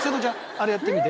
あれやってみて。